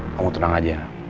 kamu tenang aja